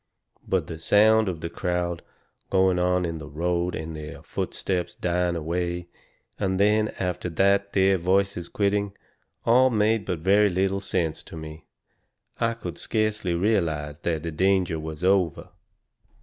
But the sound of the crowd going into the road, and their footsteps dying away, and then after that their voices quitting, all made but very little sense to me. I could scarcely realize that the danger was over.